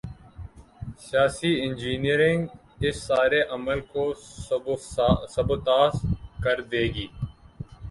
'سیاسی انجینئرنگ‘ اس سارے عمل کو سبوتاژ کر دے گی۔